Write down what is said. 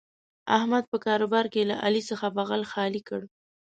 احمد په کاروبار کې له علي څخه بغل خالي کړ.